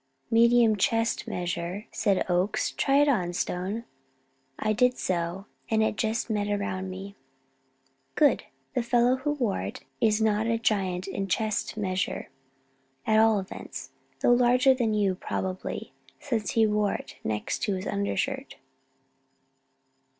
"Medium chest measure," said Oakes. "Try it on, Stone." I did so, and it just met around me. "Good! The fellow who wore it is not a giant in chest measure, at all events, though larger than you, probably, since he wore it next to his undershirt."